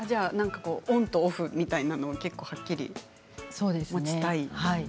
オンとオフみたいなものをはっきり持ちたいと。